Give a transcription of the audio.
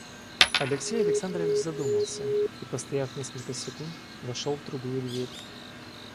Алексей Александрович задумался и, постояв несколько секунд, вошел в другую дверь.